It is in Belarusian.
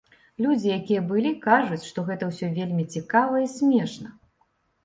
Людзі, якія былі, кажуць, што гэта ўсё вельмі цікава і смешна!